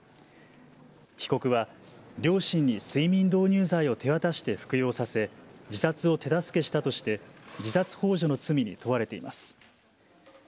被告は両親に睡眠導入剤を手渡して服用させ自殺を手助けしたとして自殺ほう助の罪に問われています。